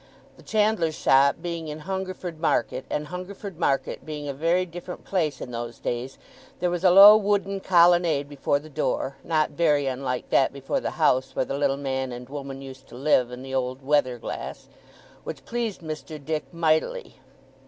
The chandler's shop being in Hungerford Market, and Hungerford Market being a very different place in those days, there was a low wooden colonnade before the door (not very unlike that before the house where the little man and woman used to live, in the old weather glass), which pleased Mr. Dick mightily.